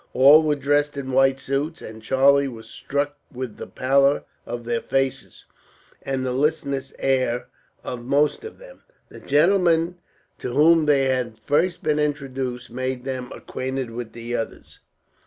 All were dressed in white suits, and Charlie was struck with the pallor of their faces, and the listless air of most of them. The gentleman to whom they had first been introduced made them acquainted with the others.